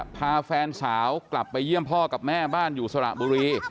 พาแฟนสาวกลับไปเยี่ยมพ่อกับแม่บ้านอยู่สระบุรี